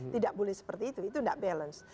tidak boleh seperti itu itu tidak balance